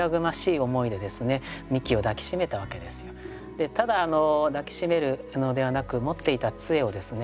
でただ抱き締めるのではなく持っていた杖をですね